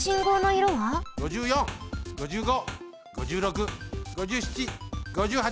５４５５５６５７５８。